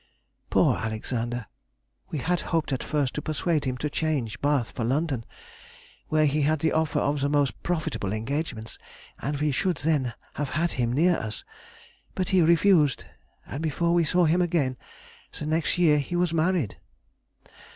Poor Alexander! we had hoped at first to persuade him to change Bath for London, where he had the offer of the most profitable engagements, and we should then have had him near us ... but he refused, and before we saw him again the next year he was married.